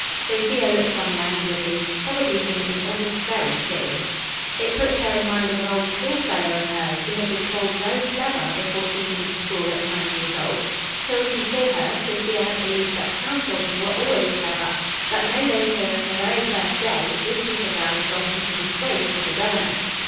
Sophia looked on languidly, probably thinking all this very silly. It put her in mind of an old schoolfellow of hers who had been called very clever before she came to school at nine years old. Till she saw her, Sophia had believed that town children were always clever: but no later than the very first day, this little girl had got into disgrace with the governess.